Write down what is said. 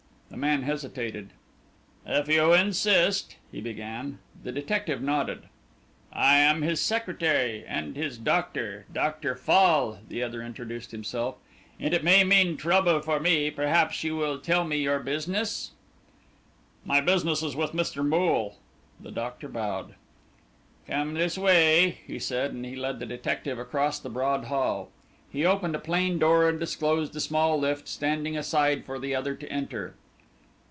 The man hesitated. "If you insist," he began. The detective nodded. "I am his secretary and his doctor Doctor Fall," the other introduced himself, "and it may mean trouble for me perhaps you will tell me your business?" "My business is with Mr. Moole." The doctor bowed. "Come this way," he said, and he led the detective across the broad hall. He opened a plain door, and disclosed a small lift, standing aside for the other to enter.